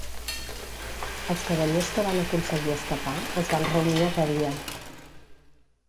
Els cavallers que van aconseguir escapar es van reunir a Pavia.